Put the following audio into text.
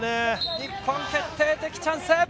日本、決定的チャンス。